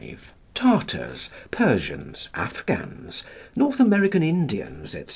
5.) Tartars, Persians, Afghans, North American Indians, &c.